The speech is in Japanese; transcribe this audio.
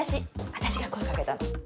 私が声かけたの。